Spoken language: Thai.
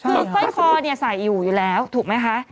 คือเผื่อนคอนเนี่ยใส่อยู่แล้วถูกมั้ยคะ